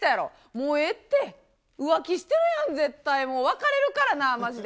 もうええって、浮気してるやん、絶対、もう別れるからな、まじで。